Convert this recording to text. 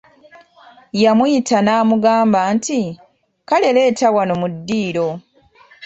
Yamuyita n'amugamba nti"kale leeta wano mu ddiiro"